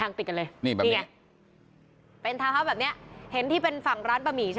เลิกเลิกเลิกเลิกเลิกเลิกเลิกเลิกเลิกเลิกเลิกเลิก